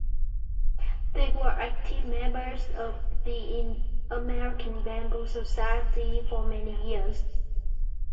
They were active members of the American Bamboo Society for many years.